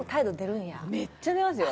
めっちゃ出ますよ。